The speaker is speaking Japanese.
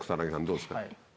どうですか？